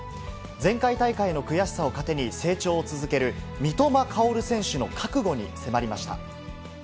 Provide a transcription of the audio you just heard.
前回大会の悔しさを糧に成長を続ける三笘薫選手の覚悟に迫りまし